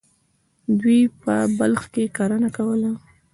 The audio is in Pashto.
دوی په بلخ کې کرنه کوله.